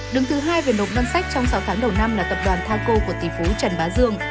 đứng thứ hai về nộp ngân sách trong sáu tháng đầu năm là tập đoàn thaco của tỷ phú trần bá dương